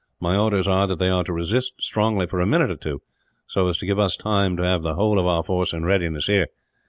My orders are that they are to resist strongly, for a minute or two, so as to give us time to have the whole of our force in readiness here.